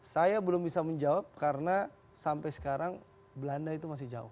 saya belum bisa menjawab karena sampai sekarang belanda itu masih jauh